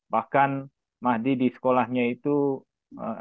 bahkan mahdi di sekolahnya itu ikut lomba gitu bu